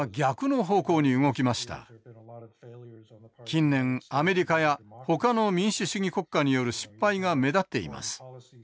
近年アメリカやほかの民主主義国家による失敗が目立っています。